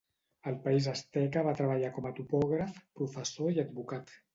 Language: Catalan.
Al país asteca va treballar com a topògraf, professor i advocat.